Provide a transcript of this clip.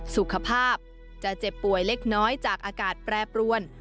สุขภาพจะเจ็บป่วยเล็กน้อยจากอากาศแปรปรวน